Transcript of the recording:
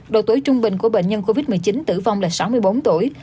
độ tuổi trung bình của bệnh nhân covid một mươi chín tử vong là sáu mươi bốn tuổi